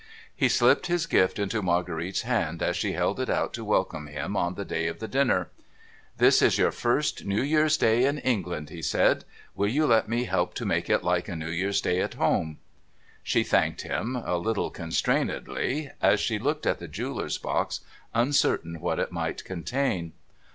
He slipped his gift into Marguerite's hand as she held it out to welcome him on the day of the dinner. ' This is your first New Year's Day in England,' he said. ' ^\l\\ you let me help to make it like a New Year's Day at home ?' She thanked him, a little constrainedly, as she looked at the jeweller's box, uncertain what it might contain.